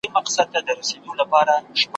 عاقبت به یې په غوښو تود تنور وي ,